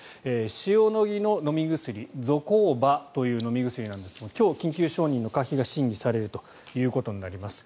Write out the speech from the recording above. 塩野義の飲み薬ゾコーバという飲み薬ですが今日、緊急承認の可否が審議されるということになります。